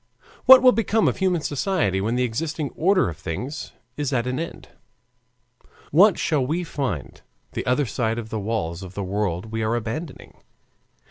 What will become of human society when the existing order of things is at an end? "What shall we find the other side of the walls of the world we are abandoning?